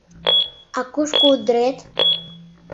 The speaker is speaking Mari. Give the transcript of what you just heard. А кушко удырет?